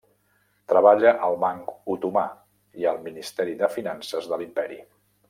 Treballa al Banc Otomà i el Ministeri de Finances de l'Imperi.